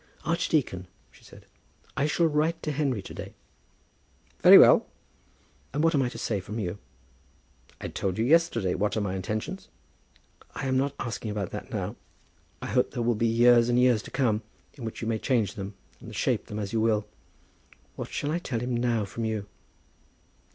"Archdeacon," she said, "I shall write to Henry to day." "Very well." "And what am I to say from you?" "I told you yesterday what are my intentions." "I am not asking about that now. We hope there will be years and years to come, in which you may change them, and shape them as you will. What shall I tell him now from you?"